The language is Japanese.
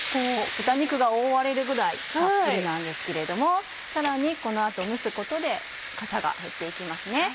豚肉が覆われるぐらいたっぷりなんですけれどもさらにこの後蒸すことでかさが減って行きますね。